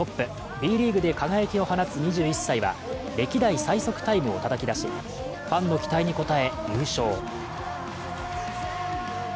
Ｂリーグで輝きを放つ２１歳は歴代最速タイムをたたき出しファンの期待に応え、優勝。